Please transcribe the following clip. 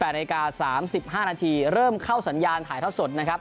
๑๘โนยากาศาสตร์๓๕นาทีเริ่มเข้าสัญญาณถ่ายท่าสดนะครับ